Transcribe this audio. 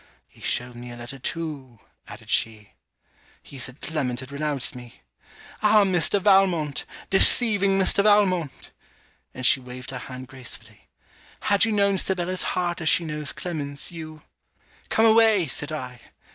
'He showed me a letter too,' added she. 'He said Clement had renounced me. Ah, Mr. Valmont! deceiving Mr. Valmont!' and she waved her hand gracefully 'had you known Sibella's heart as she knows Clement's, you .' 'Come away!' said I.